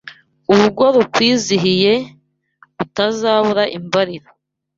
Urugo rukwizihiye Utazabura imbaliro